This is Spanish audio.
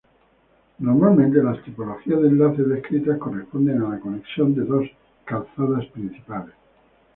Normalmente las tipologías de enlaces descritas corresponden a la conexión de dos calzadas principales.